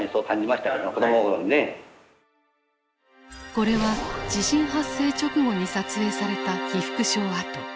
これは地震発生直後に撮影された被服廠跡。